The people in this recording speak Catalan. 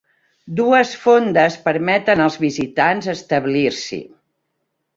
Dues fondes permeten els visitants establir-s'hi.